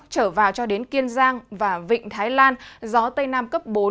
trở vào cho đến kiên giang và vịnh thái lan gió tây nam cấp bốn